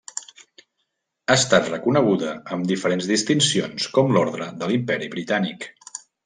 Ha estat reconeguda amb diferents distincions com l'Orde de l'Imperi Britànic.